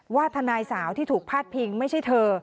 ทนายสาวที่ถูกพาดพิงไม่ใช่เธอ